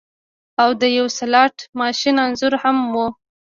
او د یو سلاټ ماشین انځور هم و